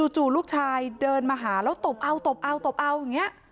จู่ลูกชายเดินมาหาแล้วตบเอา